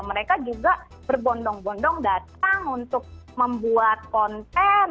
mereka juga berbondong bondong datang untuk membuat konten